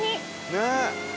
ねえ。